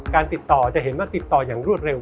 การติดต่อจะเห็นว่าติดต่ออย่างรวดเร็ว